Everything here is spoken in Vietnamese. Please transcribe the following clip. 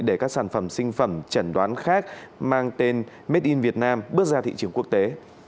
để các sản phẩm sinh phẩm chẩn đoán khác mang tên made in vietnam bước ra thị trường quốc tế